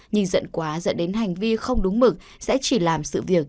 nhìn dẫn quá dẫn đến hành vi không đúng mực sẽ chỉ làm sự việc